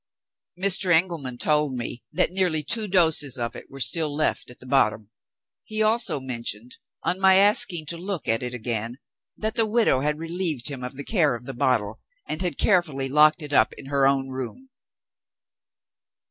Mr. Engelman told me that nearly two doses of it were still left at the bottom. He also mentioned, on my asking to look at it again, that the widow had relieved him of the care of the bottle, and had carefully locked it up in her own room.